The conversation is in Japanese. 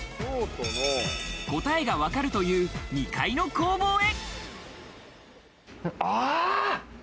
答えがわかるという、２階の工房へ。